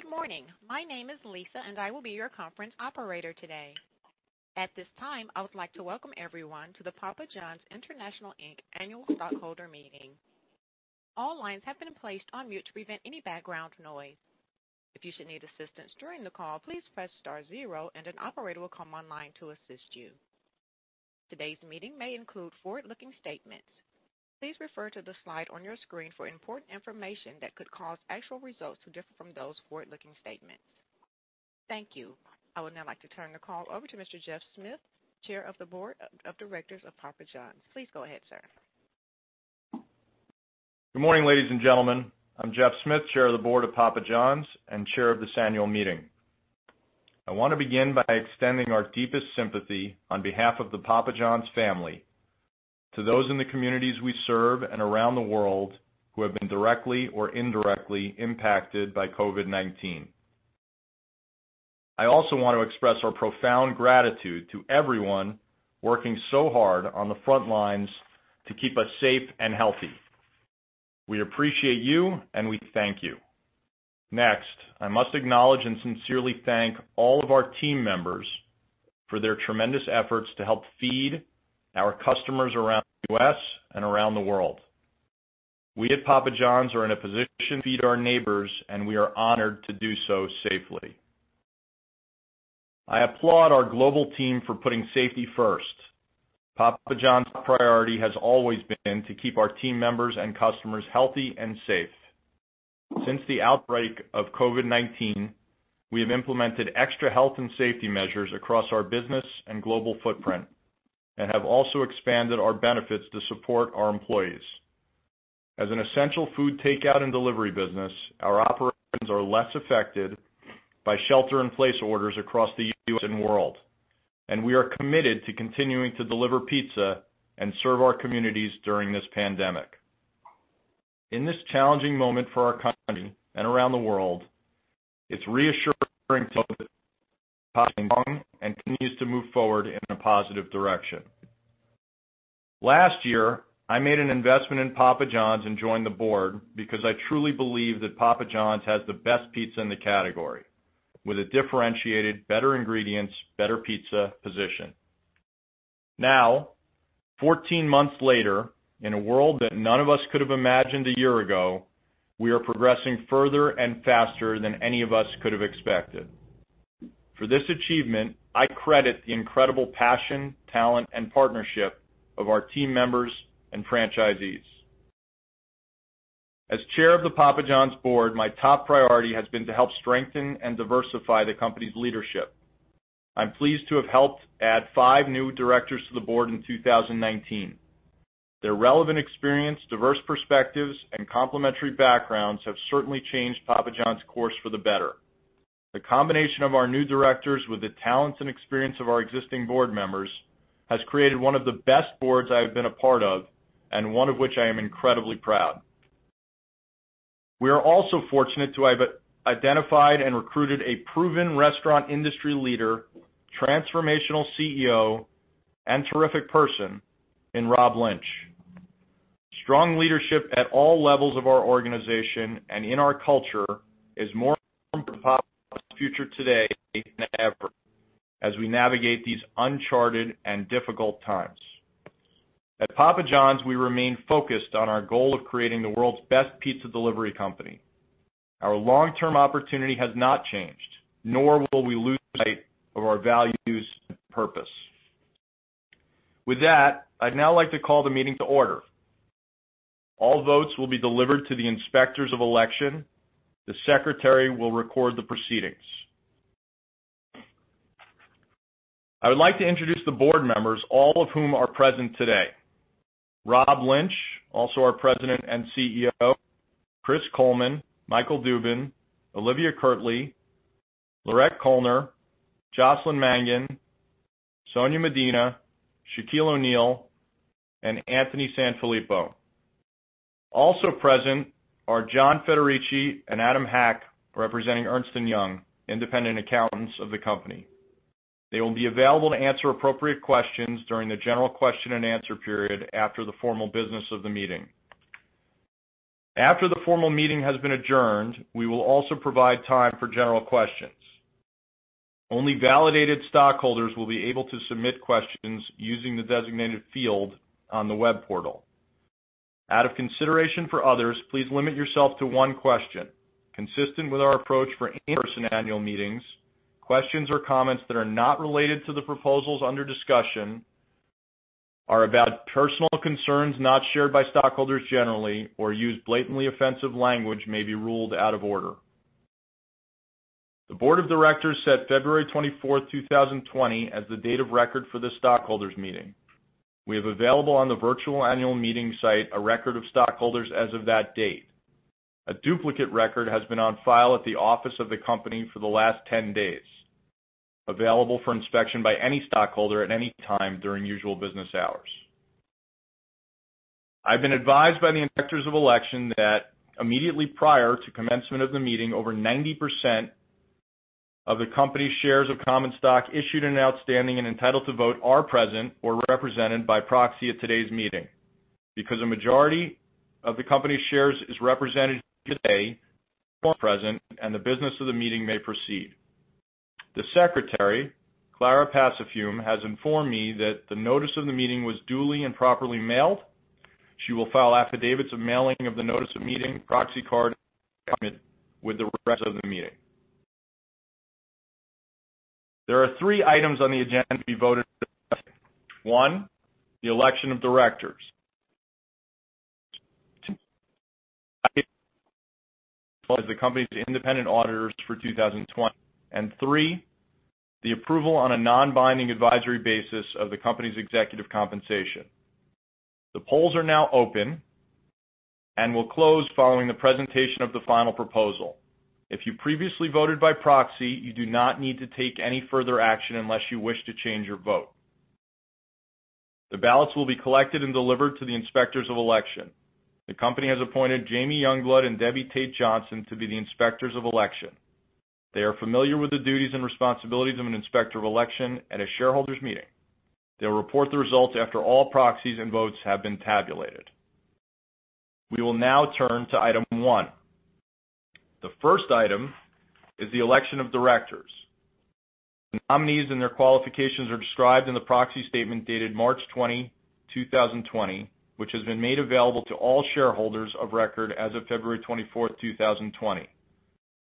Good morning. My name is Lisa, and I will be your conference operator today. At this time, I would like to welcome everyone to the Papa John's International, Inc Annual Stockholder Meeting. All lines have been placed on mute to prevent any background noise. If you should need assistance during the call, please press star zero and an operator will come online to assist you. Today’s meeting may include forward-looking statements. Please refer to the slide on your screen for important information that could cause actual results to differ from those forward-looking statements. Thank you. I would now like to turn the call over to Mr. Jeff Smith, Chair of the Board of Directors of Papa John's. Please go ahead, sir. Good morning, ladies and gentlemen. I’m Jeff Smith, Chair of the Board of Papa John's and Chair of this annual meeting. I want to begin by extending our deepest sympathy on behalf of the Papa John's family to those in the communities we serve and around the world who have been directly or indirectly impacted by COVID-19. I also want to express our profound gratitude to everyone working so hard on the front lines to keep us safe and healthy. We appreciate you, and we thank you. Next, I must acknowledge and sincerely thank all of our team members for their tremendous efforts to help feed our customers around the U.S. and around the world. We at Papa John's are in a position to feed our neighbors, and we are honored to do so safely. I applaud our global team for putting safety first. Papa John's priority has always been to keep our team members and customers healthy and safe. Since the outbreak of COVID-19, we have implemented extra health and safety measures across our business and global footprint and have also expanded our benefits to support our employees. As an essential food takeout and delivery business, our operations are less affected by shelter-in-place orders across the U.S. and world, and we are committed to continuing to deliver pizza and serve our communities during this pandemic. In this challenging moment for our country and around the world, it's reassuring to know that Papa John's continues to move forward in a positive direction. Last year, I made an investment in Papa John's and joined the board because I truly believe that Papa John's has the best pizza in the category, with a differentiated better ingredients, better pizza position. Now, 14 months later, in a world that none of us could have imagined a year ago, we are progressing further and faster than any of us could have expected. For this achievement, I credit the incredible passion, talent, and partnership of our team members and franchisees. As Chair of the Papa John's board, my top priority has been to help strengthen and diversify the company’s leadership. I’m pleased to have helped add five new directors to the board in 2019. Their relevant experience, diverse perspectives, and complementary backgrounds have certainly changed Papa John's course for the better. The combination of our new directors with the talents and experience of our existing board members has created one of the best boards I have been a part of, and one of which I am incredibly proud. We are also fortunate to have identified and recruited a proven restaurant industry leader, transformational CEO, and terrific person in Rob Lynch. Strong leadership at all levels of our organization and in our culture is more important for Papa John's future today than ever, as we navigate these uncharted and difficult times. At Papa John's, we remain focused on our goal of creating the world’s best pizza delivery company. Our long-term opportunity has not changed, nor will we lose sight of our values and purpose. With that, I’d now like to call the meeting to order. All votes will be delivered to the Inspectors of Election. The Secretary will record the proceedings. I would like to introduce the board members, all of whom are present today. Rob Lynch, also our President and CEO, Chris Coleman, Michael Dubin, Olivia Kirtley, Laurette Koellner, Jocelyn Mangan, Sonya Medina, Shaquille O'Neal, and Anthony Sanfilippo. Present are John Federici and Adam Hack, representing Ernst & Young, independent accountants of the company. They will be available to answer appropriate questions during the general question and answer period after the formal business of the meeting. After the formal meeting has been adjourned, we will also provide time for general questions. Only validated stockholders will be able to submit questions using the designated field on the web portal. Out of consideration for others, please limit yourself to one question. Consistent with our approach for in-person annual meetings, questions or comments that are not related to the proposals under discussion, are about personal concerns not shared by stockholders generally, or use blatantly offensive language may be ruled out of order. The Board of Directors set February 24, 2020 as the date of record for the stockholders meeting. We have available on the virtual annual meeting site a record of stockholders as of that date. A duplicate record has been on file at the office of the company for the last 10 days, available for inspection by any stockholder at any time during usual business hours. I’ve been advised by the Inspectors of Election that immediately prior to commencement of the meeting, over 90% of the company's shares of common stock issued and outstanding and entitled to vote are present or represented by proxy at today's meeting. A majority of the company's shares is represented today, present, and the business of the meeting may proceed. The Secretary, Clara Passafiume, has informed me that the notice of the meeting was duly and properly mailed. She will file affidavits of mailing of the notice of meeting, proxy card, with the rest of the meeting. There are three items on the agenda to be voted. One, the election of directors. Two, the company's independent auditors for 2020. Three, the approval on a non-binding advisory basis of the company's executive compensation. The polls are now open and will close following the presentation of the final proposal. If you previously voted by proxy, you do not need to take any further action unless you wish to change your vote. The ballots will be collected and delivered to the inspectors of election. The company has appointed Jamie Youngblood and Debbie Tate Johnson to be the inspectors of election. They are familiar with the duties and responsibilities of an inspector of election at a shareholders' meeting. They'll report the results after all proxies and votes have been tabulated. We will now turn to item one. The first item is the election of directors. The nominees and their qualifications are described in the proxy statement dated March 20, 2020, which has been made available to all shareholders of record as of February 24, 2020.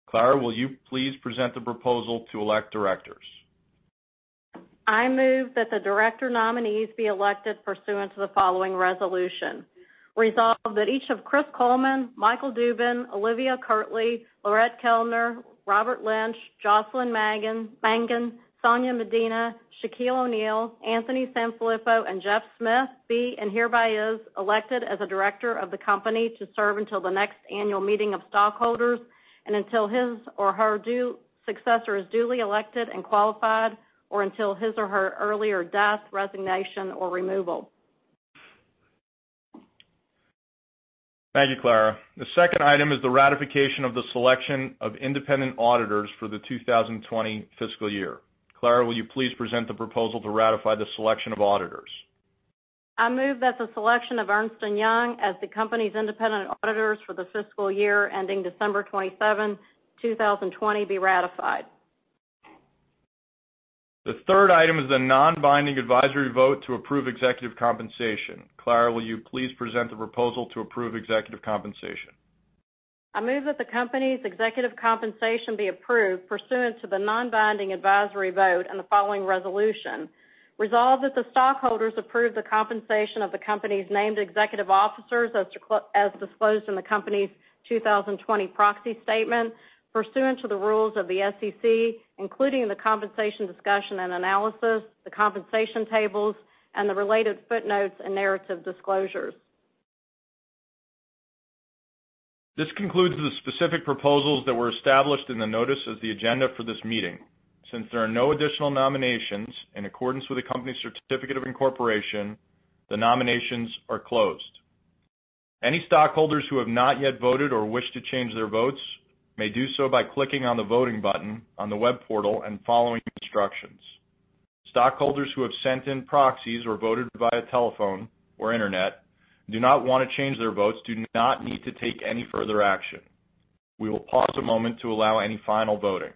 Clara, will you please present the proposal to elect directors? I move that the director nominees be elected pursuant to the following resolution. Resolve that each of Chris Coleman, Michael Dubin, Olivia Kirtley, Laurette Koellner, Robert Lynch, Jocelyn Mangan, Sonya Medina, Shaquille O'Neal, Anthony Sanfilippo, and Jeff Smith be, and hereby is, elected as a director of the company to serve until the next annual meeting of stockholders and until his or her successor is duly elected and qualified, or until his or her earlier death, resignation, or removal. Thank you, Clara. The second item is the ratification of the selection of independent auditors for the 2020 fiscal year. Clara, will you please present the proposal to ratify the selection of auditors? I move that the selection of Ernst & Young as the company's independent auditors for the fiscal year ending December 27, 2020 be ratified. The third item is a non-binding advisory vote to approve executive compensation. Clara, will you please present the proposal to approve executive compensation? I move that the company's executive compensation be approved pursuant to the non-binding advisory vote and the following resolution. Resolve that the stockholders approve the compensation of the company's named executive officers as disclosed in the company's 2020 proxy statement, pursuant to the rules of the SEC, including the compensation discussion and analysis, the compensation tables, and the related footnotes and narrative disclosures. This concludes the specific proposals that were established in the notice of the agenda for this meeting. Since there are no additional nominations, in accordance with the company's certificate of incorporation, the nominations are closed. Any stockholders who have not yet voted or wish to change their votes may do so by clicking on the voting button on the web portal and following the instructions. Stockholders who have sent in proxies or voted via telephone or internet do not want to change their votes, do not need to take any further action. We will pause a moment to allow any final voting.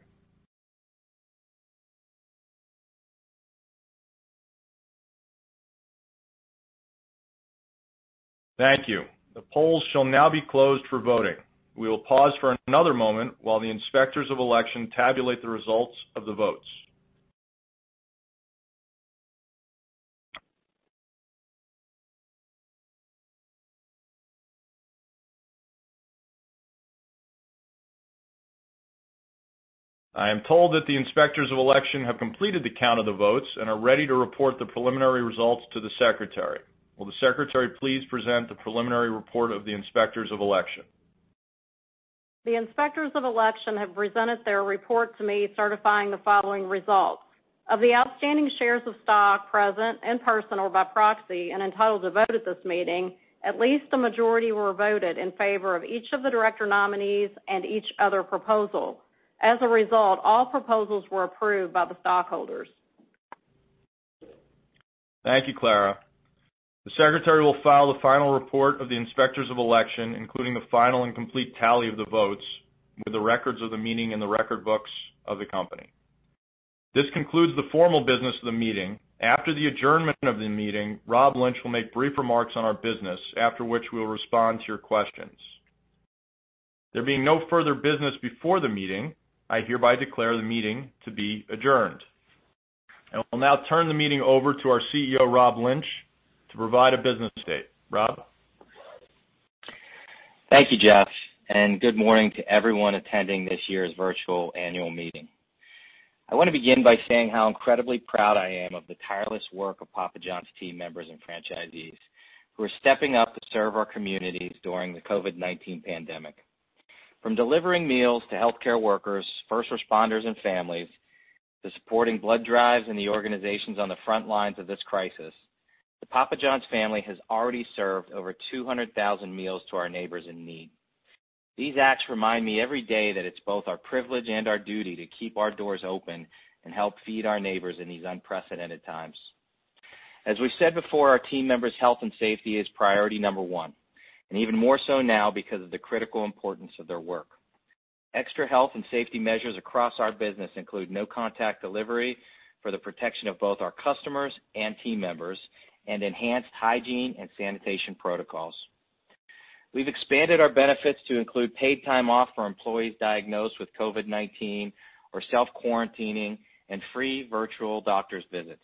Thank you. The polls shall now be closed for voting. We will pause for another moment while the inspectors of election tabulate the results of the votes. I am told that the inspectors of election have completed the count of the votes and are ready to report the preliminary results to the secretary. Will the secretary please present the preliminary report of the inspectors of election? The inspectors of election have presented their report to me certifying the following results. Of the outstanding shares of stock present in person or by proxy and entitled to vote at this meeting, at least the majority were voted in favor of each of the director nominees and each other proposal. As a result, all proposals were approved by the stockholders. Thank you, Clara. The secretary will file the final report of the inspectors of election, including the final and complete tally of the votes, with the records of the meeting in the record books of the company. This concludes the formal business of the meeting. After the adjournment of the meeting, Rob Lynch will make brief remarks on our business, after which we'll respond to your questions. There being no further business before the meeting, I hereby declare the meeting to be adjourned. We'll now turn the meeting over to our CEO, Rob Lynch, to provide a business update. Rob? Thank you, Jeff, and good morning to everyone attending this year's virtual annual meeting. I want to begin by saying how incredibly proud I am of the tireless work of Papa John's team members and franchisees who are stepping up to serve our communities during the COVID-19 pandemic. From delivering meals to healthcare workers, first responders, and families. To supporting blood drives and the organizations on the front lines of this crisis, the Papa John's family has already served over 200,000 meals to our neighbors in need. These acts remind me every day that it's both our privilege and our duty to keep our doors open and help feed our neighbors in these unprecedented times. As we've said before, our team members' health and safety is priority number one, and even more so now because of the critical importance of their work. Extra health and safety measures across our business include no-contact delivery for the protection of both our customers and team members, and enhanced hygiene and sanitation protocols. We've expanded our benefits to include paid time off for employees diagnosed with COVID-19 or self-quarantining and free virtual doctor's visits.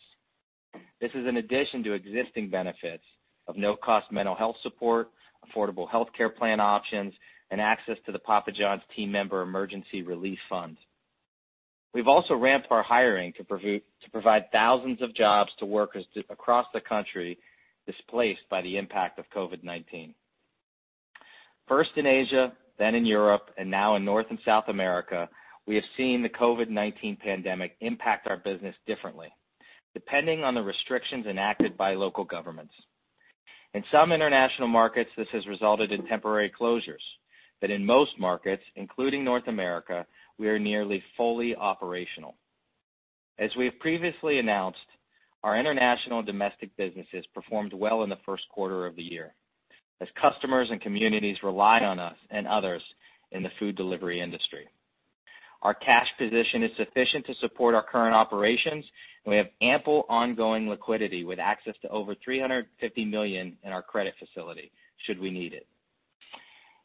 This is an addition to existing benefits of no-cost mental health support, affordable healthcare plan options, and access to the Papa John's team member emergency relief funds. We've also ramped our hiring to provide thousands of jobs to workers across the country displaced by the impact of COVID-19. First in Asia, then in Europe, and now in North and South America, we have seen the COVID-19 pandemic impact our business differently depending on the restrictions enacted by local governments. In some international markets, this has resulted in temporary closures, but in most markets, including North America, we are nearly fully operational. As we have previously announced, our international and domestic businesses performed well in the first quarter of the year as customers and communities rely on us and others in the food delivery industry. Our cash position is sufficient to support our current operations, and we have ample ongoing liquidity with access to over $350 million in our credit facility should we need it.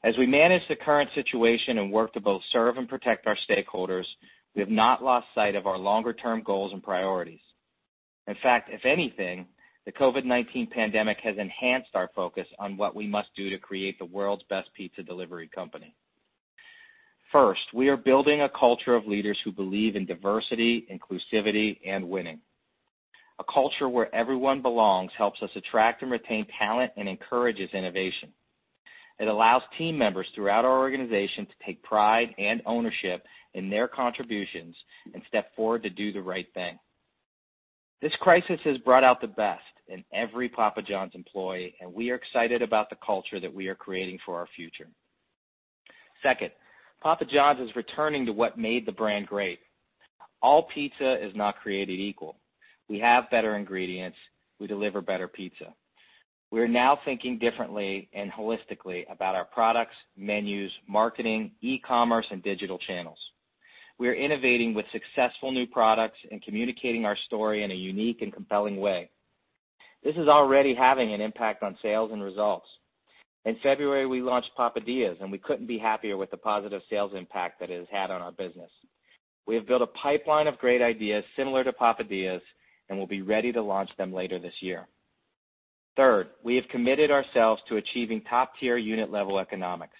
As we manage the current situation and work to both serve and protect our stakeholders, we have not lost sight of our longer-term goals and priorities. In fact, if anything, the COVID-19 pandemic has enhanced our focus on what we must do to create the world's best pizza delivery company. First, we are building a culture of leaders who believe in diversity, inclusivity, and winning. A culture where everyone belongs helps us attract and retain talent and encourages innovation. It allows team members throughout our organization to take pride and ownership in their contributions and step forward to do the right thing. This crisis has brought out the best in every Papa John's employee, and we are excited about the culture that we are creating for our future. Second, Papa John's is returning to what made the brand great. All pizza is not created equal. We have better ingredients. We deliver better pizza. We are now thinking differently and holistically about our products, menus, marketing, e-commerce, and digital channels. We are innovating with successful new products and communicating our story in a unique and compelling way. This is already having an impact on sales and results. In February, we launched Papadia, and we couldn't be happier with the positive sales impact that it has had on our business. We have built a pipeline of great ideas similar to Papadia, and we'll be ready to launch them later this year. Third, we have committed ourselves to achieving top-tier unit level economics.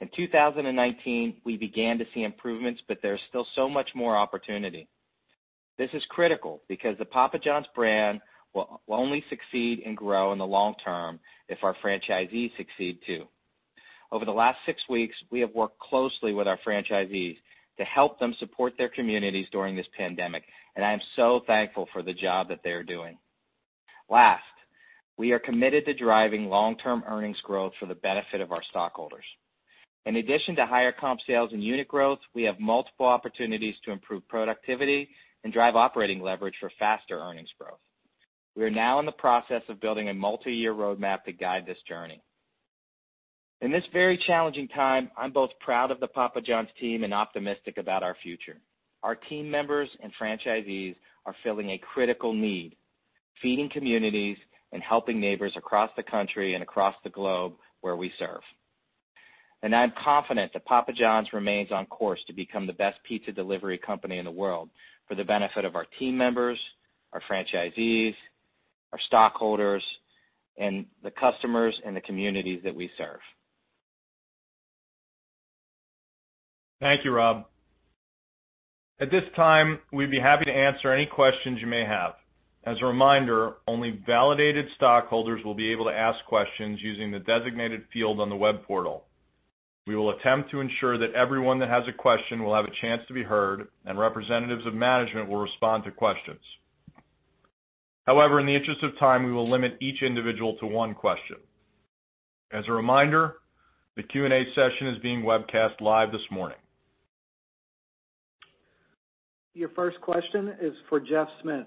In 2019, we began to see improvements, but there is still so much more opportunity. This is critical because the Papa John's brand will only succeed and grow in the long term if our franchisees succeed too. Over the last six weeks, we have worked closely with our franchisees to help them support their communities during this pandemic, and I am so thankful for the job that they are doing. Last, we are committed to driving long-term earnings growth for the benefit of our stockholders. In addition to higher comp sales and unit growth, we have multiple opportunities to improve productivity and drive operating leverage for faster earnings growth. We are now in the process of building a multi-year roadmap to guide this journey. In this very challenging time, I'm both proud of the Papa John's team and optimistic about our future. Our team members and franchisees are filling a critical need, feeding communities and helping neighbors across the country and across the globe where we serve. I am confident that Papa John's remains on course to become the best pizza delivery company in the world for the benefit of our team members, our franchisees, our stockholders, and the customers and the communities that we serve. Thank you, Rob. At this time, we'd be happy to answer any questions you may have. As a reminder, only validated stockholders will be able to ask questions using the designated field on the web portal. We will attempt to ensure that everyone that has a question will have a chance to be heard, and representatives of management will respond to questions. However, in the interest of time, we will limit each individual to one question. As a reminder, the Q&A session is being webcast live this morning. Your first question is for Jeff Smith.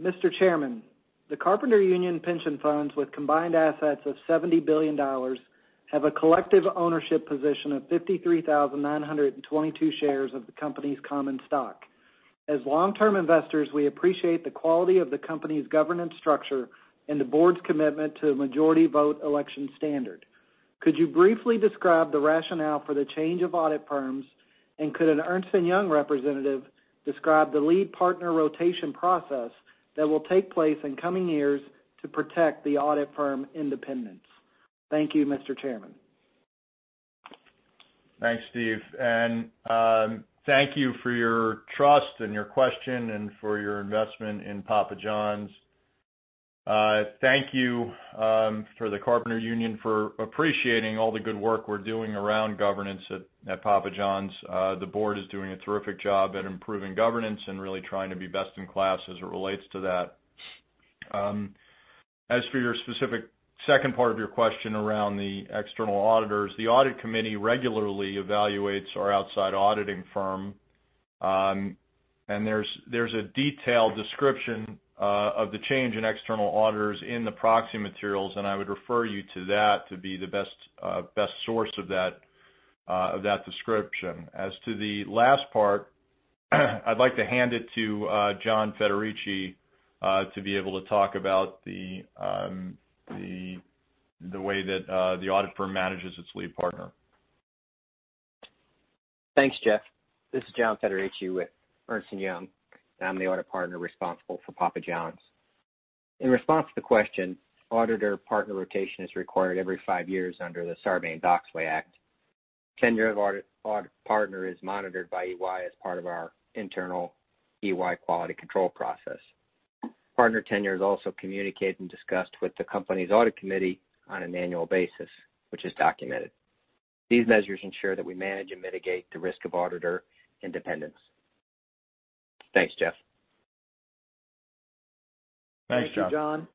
Mr. Chairman, the Carpenter Union pension funds with combined assets of $70 billion have a collective ownership position of 53,922 shares of the company's common stock. As long-term investors, we appreciate the quality of the company's governance structure and the board's commitment to a majority vote election standard. Could you briefly describe the rationale for the change of audit firms, and could an Ernst & Young representative describe the lead partner rotation process that will take place in coming years to protect the audit firm independence? Thank you, Mr. Chairman. Thanks, Steve, and thank you for your trust and your question and for your investment in Papa John's. Thank you for the Carpenter Union for appreciating all the good work we're doing around governance at Papa John's. The board is doing a terrific job at improving governance and really trying to be best in class as it relates to that. As for your specific second part of your question around the external auditors, the audit committee regularly evaluates our outside auditing firm. There's a detailed description of the change in external auditors in the proxy materials, and I would refer you to that to be the best source of that description. As to the last part, I'd like to hand it to John Federici to be able to talk about the way that the audit firm manages its lead partner. Thanks, Jeff. This is John Federici with Ernst & Young, and I'm the audit partner responsible for Papa John's. In response to the question, auditor partner rotation is required every five years under the Sarbanes-Oxley Act. Tenure of audit partner is monitored by EY as part of our internal EY quality control process. Partner tenure is also communicated and discussed with the company's audit committee on an annual basis, which is documented. These measures ensure that we manage and mitigate the risk of auditor independence. Thanks, Jeff. Thanks, John. Thank you, John.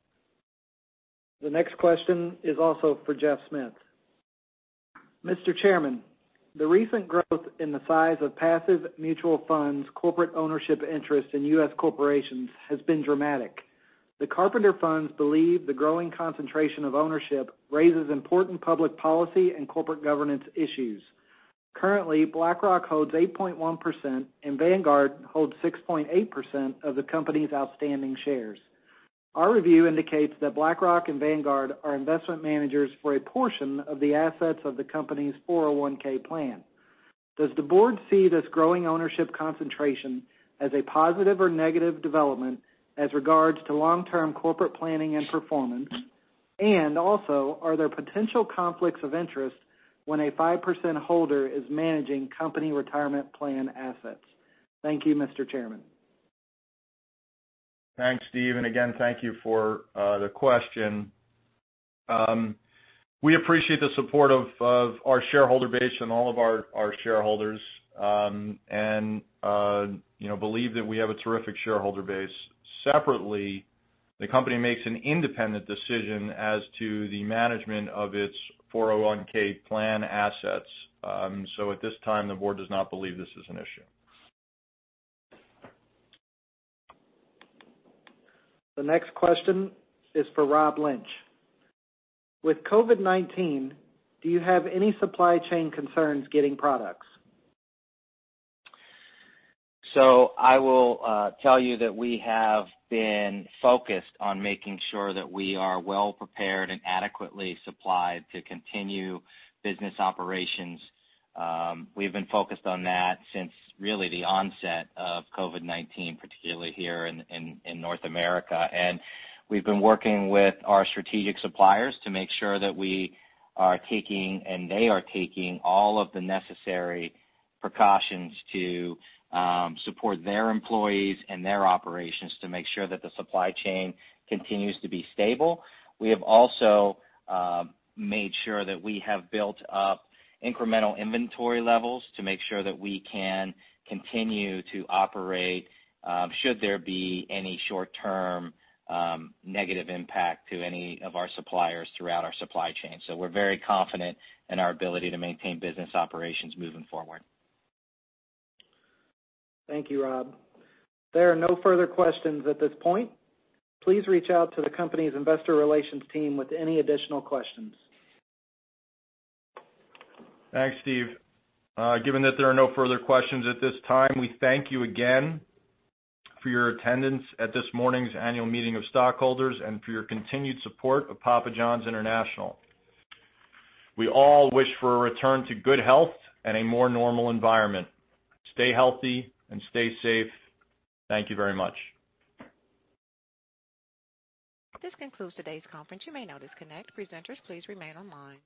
The next question is also for Jeff Smith. Mr. Chairman, the recent growth in the size of passive mutual funds corporate ownership interest in U.S. corporations has been dramatic. The Carpenter funds believe the growing concentration of ownership raises important public policy and corporate governance issues. Currently, BlackRock holds 8.1% and Vanguard holds 6.8% of the company's outstanding shares. Our review indicates that BlackRock and Vanguard are investment managers for a portion of the assets of the company's 401(k) plan. Does the board see this growing ownership concentration as a positive or negative development as regards to long-term corporate planning and performance? Are there potential conflicts of interest when a 5% holder is managing company retirement plan assets? Thank you, Mr. Chairman. Thanks, Steve, and again, thank you for the question. We appreciate the support of our shareholder base and all of our shareholders, and believe that we have a terrific shareholder base. Separately, the company makes an independent decision as to the management of its 401(k) plan assets. At this time, the board does not believe this is an issue. The next question is for Rob Lynch. With COVID-19, do you have any supply chain concerns getting products? I will tell you that we have been focused on making sure that we are well-prepared and adequately supplied to continue business operations. We've been focused on that since really the onset of COVID-19, particularly here in North America. We've been working with our strategic suppliers to make sure that we are taking, and they are taking all of the necessary precautions to support their employees and their operations to make sure that the supply chain continues to be stable. We have also made sure that we have built up incremental inventory levels to make sure that we can continue to operate, should there be any short-term negative impact to any of our suppliers throughout our supply chain. We're very confident in our ability to maintain business operations moving forward. Thank you, Rob. There are no further questions at this point. Please reach out to the company's investor relations team with any additional questions. Thanks, Steve. Given that there are no further questions at this time, we thank you again for your attendance at this morning's annual meeting of stockholders and for your continued support of Papa John's International. We all wish for a return to good health and a more normal environment. Stay healthy and stay safe. Thank you very much. This concludes today's conference. You may now disconnect. Presenters, please remain online.